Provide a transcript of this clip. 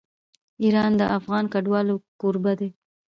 ایران د افغان کډوالو کوربه دی.